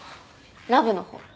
ラブの方。